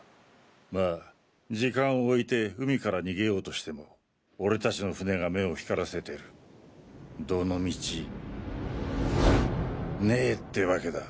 まあ時間をおいて海から逃げようとしても俺達の船が目を光らせてるどのみちねぇってワケだ。